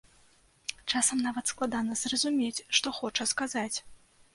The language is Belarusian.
Часам нават складана зразумець, што хоча сказаць.